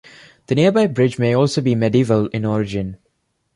The nearby bridge may also be medieval in origin.